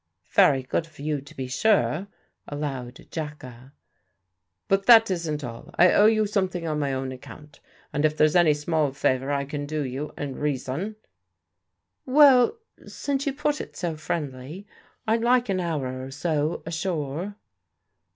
"Very good of you, to be sure," allowed Jacka. "But that isn't all. I owe you something on my own account, and if there's any small favour I can do you, in reason " "Well, since you put it so friendly, I'd like an hour or so ashore."